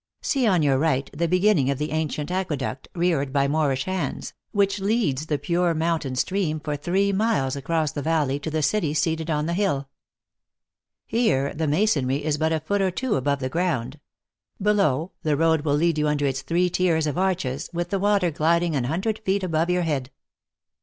See, on your right, the beginning of the ancient aqueduct, reared by Moorish hands, which leads the pure moun tain stream for three miles across the valley to the 12 THE ACTRESS IN HIGH LIFE. city seated on the hill. Here, the masonry is but a foot or two above the ground ; below, the road will lead you under its three tiers of arches, with the water gliding an hundred feet above your head.